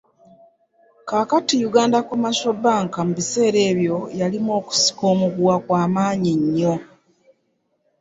Kaakati Uganda Commercial Bank mu biseera ebyo yalimu okusika omuguwa kwa maanyi nnyo.